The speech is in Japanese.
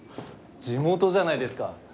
地元じゃないですか。